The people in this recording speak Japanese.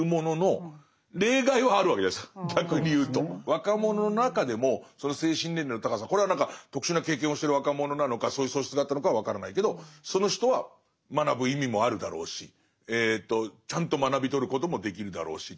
若者の中でも精神年齢の高さこれは特殊な経験をしてる若者なのかそういう素質があったのかは分からないけどその人は学ぶ意味もあるだろうしちゃんと学び取ることもできるだろうし。